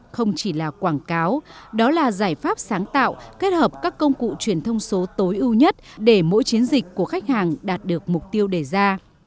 không chỉ là quảng cáo đó là giải pháp sáng tạo kết hợp các công cụ truyền thông số tối ưu nhất để mỗi chiến dịch của khách hàng đạt được mục tiêu đề ra